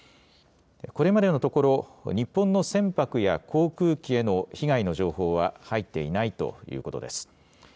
これまでのところ、日本の船舶や航空機への被害の情報は入っていないということです。